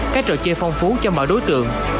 các trò chơi phong phú cho mọi đối tượng